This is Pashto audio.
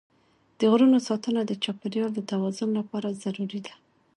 د غرونو ساتنه د چاپېریال د توازن لپاره ضروري ده.